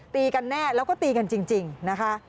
ตีกันแน่แล้วก็ตีกันจริงนะคะ